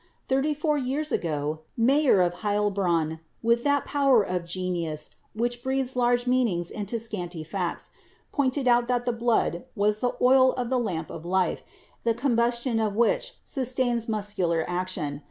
Thirty four years ago, Mayer of Heilbronn, with that power of genius which breathes large meanings into scanty facts, pointed out that the blood was 'the oil of the lamp of life,' the combustion of which sustains muscular action.